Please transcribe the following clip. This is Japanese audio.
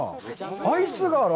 アイスがある。